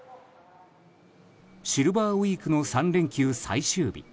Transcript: シルバーウィークの３連休最終日。